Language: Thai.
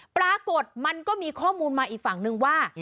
ปรากฏมันก็มีข้อมูลมาอีกฝั่งนึงว่า